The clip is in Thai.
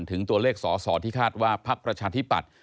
ถึงตัวเลขสอสอที่คาดว่าพักประชาธิปัตย